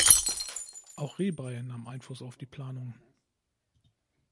Auch Rebay nahm Einfluss auf die Planungen.